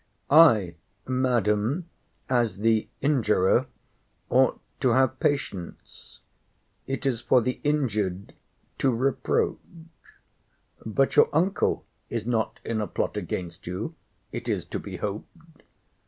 I, Madam, as the injurer, ought to have patience. It is for the injured to reproach. But your uncle is not in a plot against you, it is to be hoped.